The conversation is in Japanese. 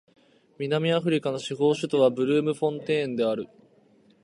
南アフリカの司法首都はブルームフォンテーンである